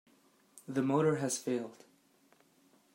The motor has failed.